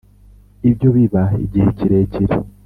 ibyo biba igihe kirekire